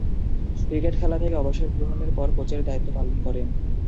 Cricket খেলা থেকে অবসর গ্রহণের পর কোচের দায়িত্ব পালন করেন।